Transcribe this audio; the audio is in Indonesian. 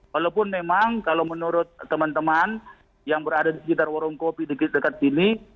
walaupun memang kalau menurut teman teman yang berada di sekitar warung kopi dekat sini